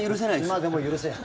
今でも許せない。